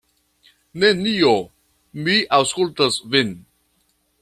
Nenio, mi aŭskultas vin.